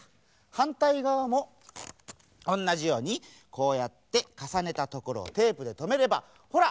はんたいがわもおんなじようにこうやってかさねたところをテープでとめればほら！